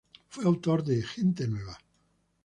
Fue autor de "Gente Nueva.